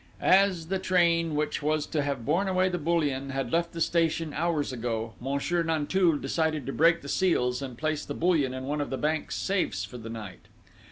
As the train, which was to have borne away the bullion, had left the station hours ago, Monsieur Nanteuil decided to break the seals, and place the bullion in one of the bank's safes for the night.